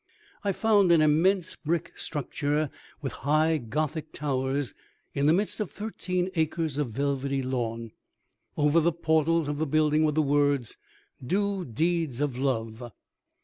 I found an immense brick structure, with high Gothic towers, in the midst of thirteen acres of velvety lawn. Over the portals of the building were the words, "DO DEEDS OF LOVE."